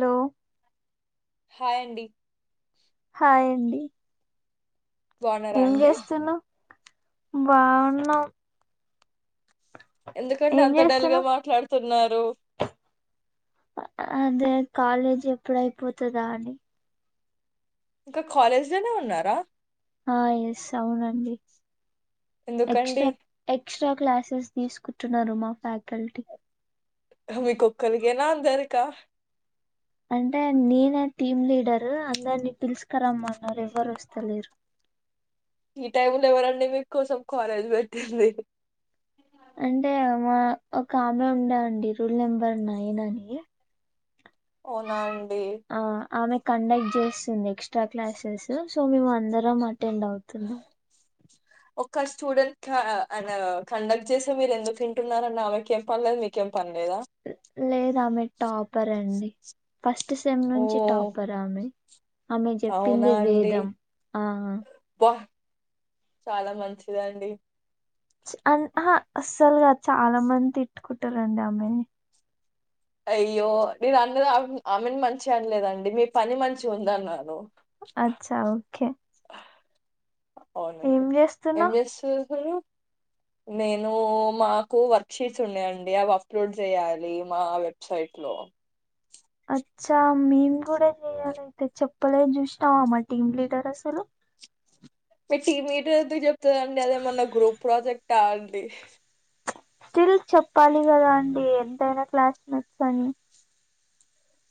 లో హాయ్ అండి హాయండి బాగున్నారా ఏం అండి? జేస్తున్నవ్ బావున్నం ఎందుకండి అంత డల్ గా చేస్తున్నావ్ మాట్లాడుతున్నారు నో అదే కాలేజ్ ఎప్పుడయిపోతదా అని ఇంకా కాలేజ్ లోనే ఉన్నారా? ఆ ఎస్ అవునండి ఎందుకండి? ఎక్స్్రా ఎక్స్ట్రా క్లాసెస్ తీసుకుంటున్నారు మా ఫ్యాకల్టీ మీ కొక్కలికేనా అందరికా అంటే నేనే టీమ్ లీడరు అందరినీ పిలుసుకరమ్మన్నారు ఎవ్వరు వస్తలేరు ఈ టైమ్ లో ఎవరండి మీ కోసం కాలేజ్ పెట్టింది. అంటే మా ఒక ఆమె ఉండే అండి రూల్ నెంబర్ నైన్ అని అవునా అండి ఆ ఆమె కండక్ట్ చేస్తుంది ఎక్స్ట్రా క్లాసెస్ సో మేము అందరం అటెండ్ అవుతున్నాం ఒక స్టూడెంట్ అ కండక్ట్ చేసి మీరు ఎందుకు వింటున్నారని ఆమెకి ఎం పనిలేదు మీకు ఎం లేదామె టాపర్ అండి ఫస్ట్ సెమ్ నుంచి ఓహ్! టాపర్ ఆమె ఆమె అవునా చెప్పిందే అండి? వేదం ఆ అబ్బా! చాలా మంచిది అండి అ అస్సలుగా చాలా మంది తిట్టుకుంటారండి అమ్మాయిని అయ్యో నేను అందరు ఆమెను మంచి అనలేదండి మీ పని మంచిగా ఉంది అన్నాను అచ్చా ఓకే ఏం అవునండి ఎం చేస్తున్నావ్ చేస్తున్నావ్ హలో నేను మాకు వర్క్ షీట్స్ ఉన్నాయండి అవి అప్లోడ్ చేయాలి మా వెబ్సైట్లో అచ్చా మేము కూడా చేయాలయితే చెప్పలేదు చూసినావా మా టీమ్ లీడర్ అసలు మీ టీం లీడర్ ఎందుకు చెప్ తే అండి అదేమన్నా గ్రూప్ ప్రాజెక్ట్ క అండి స్టిల్ చెప్పాలి కదా అండి ఎంతైనా క్లాస్ మేట్స్ అని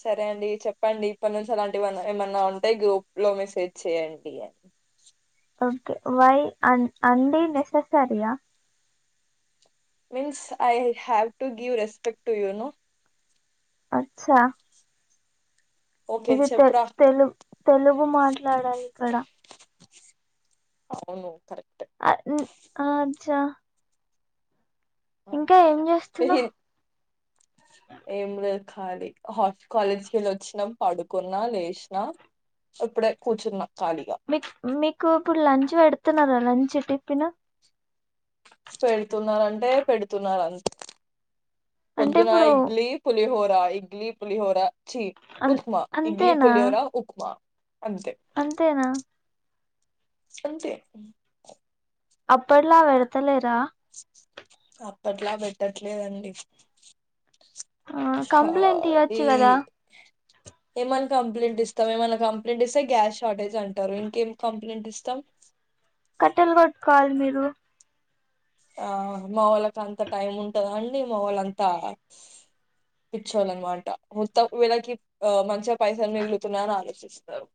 సరే అండి చెప్పండి ఇప్పటి నుంచి అలాంటివన్న ఏమన్నా ఉంటాయి గూఫ్ లో మెసేజ్ చేయండి అని ఓకే వై ఆ అండి నెస్ సరియా means I have to give respect to you no అచ్చా ఓకే ఇది తె చెప్పురా తెలు తెలుగు మాట్లాడాలి ఇక్కడ అవును కరేక్ట్ ఆ అచ్చా ఇంకా ఏం చేస్తున్నావ్ ఏం లేదు కాలి హ కాలేజ్ వెళ్ళి వచ్చినాం పడుకున్నా లేచినా ఇప్పుడే కూర్చున్నా ఖాళీగా మీ మీకు ఇప్పుడు లంచ్ పెడుతున్నారా లంచ్ టిఫిను పెడుతున్నారంటే పెడుతున్నారు అంతే అంటే పొద్దునా ఇప్పుడు ఇడ్లీ పులి హోర ఆ ఇడ్లీ పులిహోరా చీ అన్ ఉప్మా ఇడ్లీ అంతేనా పొలిహోరా ఉప్మా అంతే అంతేనా అంతే అప్పుడలా వెడతలేరా అప్పట్లా పెట్టట్లేదండి ఆ కంప్లైంట్ ఈ ఇయ్యొచ్చు కదా ఏమన్ని కంప్లైంట్ ఇస్తాం ఏమైన్నా కంప్లైంట్ ఇస్తే గ్యాస్ షార్టేజ్ అంటారు ఇంకేం కం ఎంటిష్టం కట్టెల్ గొట్టుకోవాలి మీరు. ఆ మా వాళ్ళకి అంత టైం ఉంటందా అండి మా వాళ్ళ అంతా, పిచ్చోలనమాట మొత్తం వీళ్ళకి ఆ మంచిగా పైసల్ మిగులుతున్నాయ్ అని ఆలోచిస్తారు.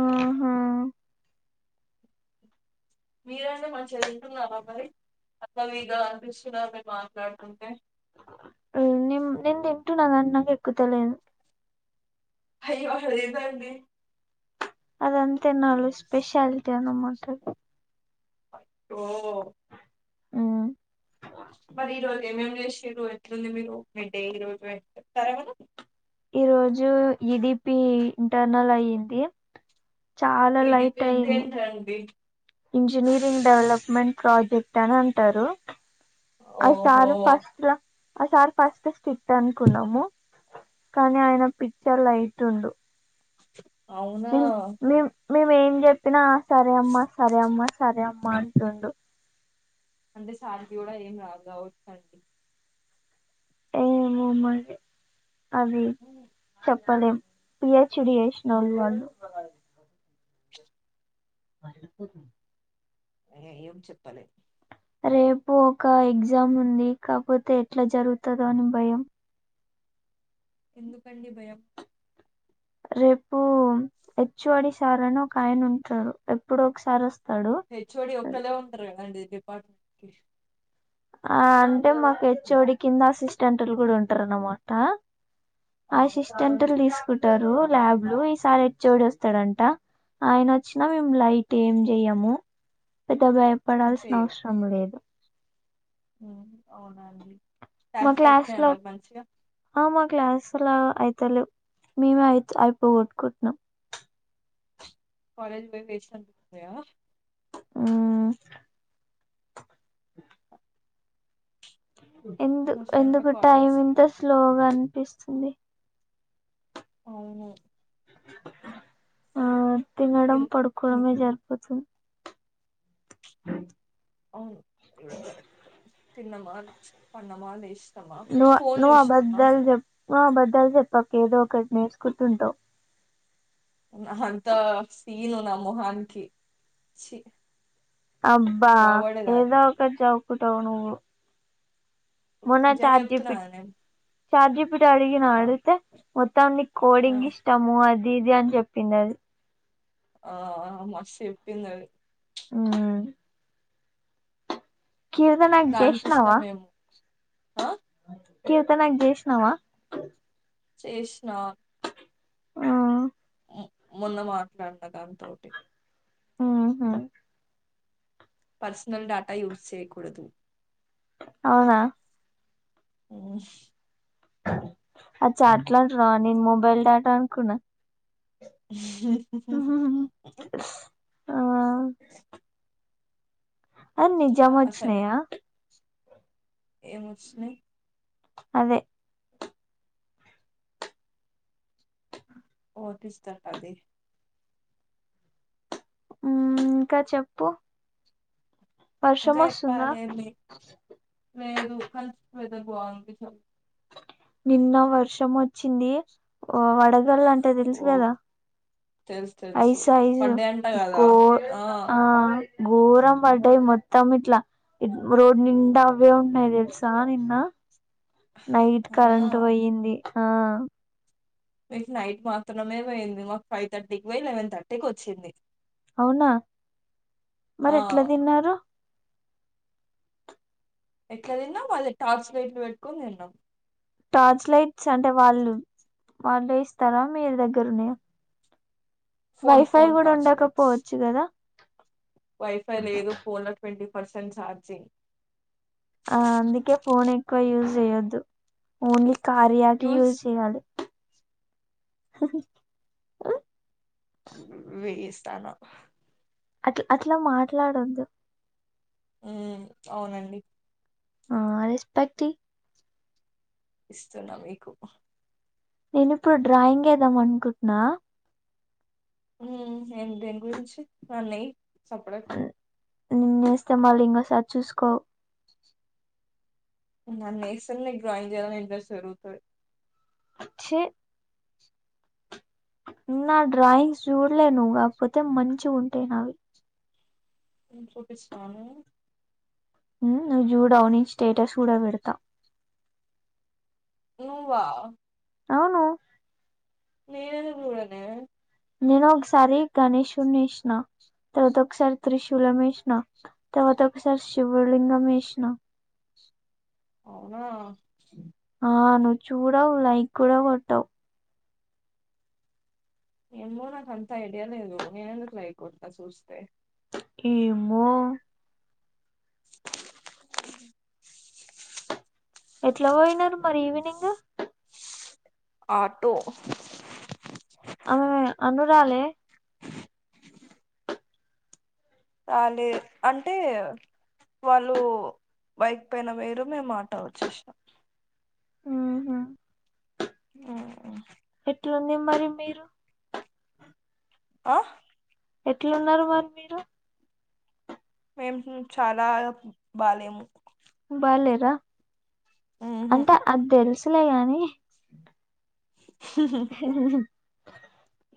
ఆహా మీరండి మంచిగా తింటున్నారా మరి, [unintelligible] అసలాగా అనిపిస్తున్నది మేము మాట్లాడుతుంటే నిమ్ నేన్ తింటున్న గానీ నాకు ఎక్కుతాలేదు హయ్యో అలా లేదండి. అదం నాలో స్పెషాలిటీ అన్నమాట. ఓ మరి ఈ రోజు ఏమేం చేసిర్రు ఎట్లుంది మీకు మి డే ఈ రోజు, చెప్తారా ఏమనా ఈ రోజు ఈడిపి ఇంటర్నల్ అయ్యంది. ఈ డి పి అంటే ఏంటండీ ఇంజనీరింగ్ డెవలప్మెంట్ ప్రాజెక్ట్ అని అంటారు. అ ఓహో సారు ఫస్ట్ ఆ సార్ ఫస్ట్ స్టట్ అనుకున్నాము, కానీ ఆయన పిచ్చలైట్ ఉండు. అవునా నేనేం చెప్పినా సరే అమ్మా సరే అమ్మ సరే అమ్మ అంటుండు. అంటే సార్కి కూడా ఏం రాద్ కావచ్చండి. ఏమో మరి అది సప్ పి హెచ్ డి చేసినోళ్లను అపో ఏ ఏం చెప్పాలి. రేపు ఒక ఎగ్జామ్ ఉంది, కాపోతే ఎట్లా జరుగుతుందో అని భయం. ఎందుకండి భయం రేపు హెచ్ ఓ డి సార్ అని ఒక ఆయన ఉంటరు, ఎప్పుడు ఒకసారి వస్ హె ఓ డి ఒక్కలే ఉంటరు అండి డిపార్ట్ ఆ అంటే మాకు హెచ్ ఓ డి కింద అసిస్టెంట్లు కూడా ఉంటరు అనమాట. ఆ, అసిస్టెంట్లు తీస్ స్కూటర్లు ల్యాబ్లు ఈ సార్ హెచ్ ఓ డి వస్తాడంట, ఆయన వచ్చినా మేము లైట్ ఏం చేయము. త భయపడాల్సిన అవసరం లేదు. ఉమ్ అవునండి మా క్లాసెస్ ఐతున్నయ మరి మంచిగా క్లాస్లా అయితలే మేమే అయి అయిపోగొట్టుకుంటున్నాం కాలేజ్ పోయి్ పేషెంట్ అనుకుంటివా ఉమ్ ఎందు అనవసరంగా ఎందుకు టైమ్ కాలేజ్ ఎంత స్లోగా అనిపిస్తుంది అవును ఆ తినడం ఇం- ఉమ్, పడుకోవడమే జరిపోతుంది అవును ఇవాడ కరట్ తిన్నం బగుంధి పన్నమా లేష్ ను నువు ఆబద్ద్దలు జ నువు ఆబద్దాలు చెప్పక ఏదో ఒకటి నేర్చుకుంటుంటావు అహా అంత సీన్ ఉన్నా మొహాన్ కి అబ్బా ఏదో ఒకాటి చెప్ ట్టవు నువు మన నిజంగా చెప్తున్నా చార్జపి కదా నేను చజ బట్ అడిగ నా ఆ ఆడుతతే మత్తవ న కోడింగ్ ఇష్టము అ దిది అని చెపింధి అధి ఆ మషి చెప్పింద అధి ఆ కిర్దనాగ్ దానికి జ్యేష్ణవా ఇష్టమేమో ఆ కీర్తనగ్ చెస్నావా చెస్నా ఆ మొన్న మాట్లాడిన దాని తటి మ్మ్హ్ పర్సనల్ డాాటా యూజ్ చేయకూడదు అవునా ఉమ్ అచా ఆట్లంటనవా నేను మొబైల్ డేటా అనుకున్నా హు హు హు ఆ అ నిజం వచ్చినయా ఏముచ్చన్నాయి అదే ఓ ఈ హటాటా అధి ఉమ్ ఇంకా చెప్పు వర్షం ఇంకా వస్తుందా చెప్పాలి ఏంది లేదు కలిసి పెద్ద బావుంది చ నిన్న వర్షం వచ్చింది ఓ వడగళ్ళు అంటే తెలుసు ఓ కదా తెలుసు అయి తెలుసు సైజు పడ్డే అంట కదా ఒక్కో ఆ ఘోరం పడ్డాయి మొత్తం ఇట్లా రోడ్డు నిండా అవే ఉంటన్నాయి తెలుసా నిన్న నైట్ అవునా కరెంటు పోయింది ఆ మీకు నైట్ మాత్రమే పోయింది మాకు ఫైవ్ థర్టీకి పోయి లెవెన్ థర్టీకి వచ్చింది. అవునా ఆ మరి ఎట్లా తిన్నారు ఎట్లా తిన్నాం అది టార్చ్ లైట్లు పెట్టుకొని తిన్నాం. టార్చ్ లైట్స్ అంటే వాళ్ళు వాళ్ళే ఇస్తారా మీరు దగ్గరున్నాయా ఫోన్ వైఫై ఫోన్ కూడా టార్చ్ లైట్స్ ఉండకపోవచ్చు కదా వైఫై లేదు ఫోన్ లో ట్వంటీ పర్సెంట్ ఛార్జింగ్ ఆ అందుకే ఫోన్ ఎక్కువ యూజ్ చేయొద్దు ఓన్లీ కార్య కీ యూజ్ యూస్ చేయాలి. ఆ వేస్ట్ దాన అట్ అట్లా మాట్లాడొద్దు. హ్మ్ అవునండి ఆ రెస్పెక్ట్ ఈ ఇస్తున్నా మీకు నేను ఇప్పుడు డ్రాయింగ్ వేద్దామనుకుంటున్నా హ్మ్ ఏం దేని గురించి అన్నాయి చప్పుడైతా నిన్ను వేస్తే మళ్ళీ ఇంకోసారి చూసుకోవు నన్ను వేస్తేనే నీకు డ్రాయింగ్ చేయాలని ఇంట్రస్ట్ జరుగుతది. చీ నా డ్రాయింగ్స్ చూడలే నువ్వు పోతే మంచిగా ఉ టేనావి చూపిస్తాను నువ్వు చూడవు నే స్టేటస్ కూడా పెడతా. నువ్వా అవును నేనెందుకు చూడనే నేను ఒకసారి గణేషుని వేసినా తర్వాత ఒకసారి త్రిశూలం వేసినా తర్వాత ఒకసారి శివ లింగం వేసినా అవునా ఆ నువ్వు చూడవు లైక్ కూడా కొట్టవు ఏమో నాకు అంత ఐడియాలేదు నేనెందుకు లైక్ కొడతా చూస్తే ఏమో ఎట్లా పోయినారు మరి ఈవినింగ్ ఆటో అమె అనురాలె రాలే అంటే వాళ్ళు బైక్ పైన పోయారు మేము ఆటో వచ్చేసాం ఆహ హమ్ ఎట్లుంది మరి మీరు ఆ ఎట్లు ఉన్నారు మరి మీరు మేము చాలా బాలేము బా లేర మ్మ్ హ్మ్ అంటే అది తెలుస్ ఉన్నీలే కానీ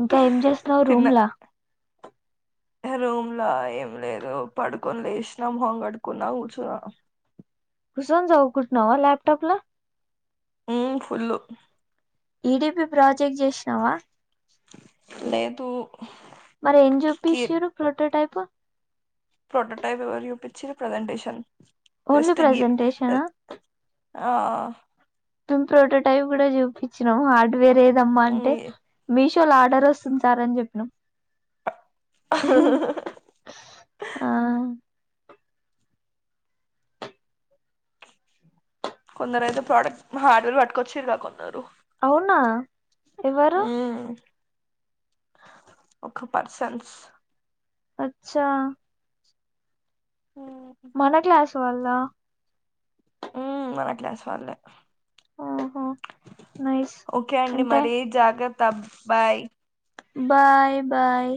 ఇంకా ఏం చేస్తావ్ రూమ్ లా రూమ్లా ఏం లేదు పడుకొని లేసినాం హంగడుకున్నా కూర్చునా కుసోన్ చదువుకుంటున్నావ్ లాప్టాప్ లో హమ్ ఫుల్లు ఈడీపి ప్రాజెక్ట్ చేసినావా లేదు మరి ఏం కి చూపిస్తుర్రూ ప్రోటోటైప్ బ ప్రోటోటైప్ వివర్ చూపిచ్చుర్రు ప్రజెంటేషన్ ఓన్లీ జస్ట్ గి ప్రెసెంటేషనా ఆ ప్రొటోటైప్ కూడ చూపించినాము హార్డ్ వేరే ఏదమ్మా అంటే మీ విష్ చ ఆర్డర్ వస్తుంది సార్ అన్ చొప్నం ఆ కొందరు అయితే ప్రోడక్ట్ హార్డ్వేర్ పట్టుకొచ్చారు కా కొన్నారు అవునా ఎవరు హమ్ ఒక పర్సన్స్ అచ్చా మన క్లాస్ వాళ్ళ హమ్ మన క్లాస్ వాళ్లే హమ్ ఒకే అండి మరి జాగ్రత్త తబ్ బాయ్ బాయ్ బాయ్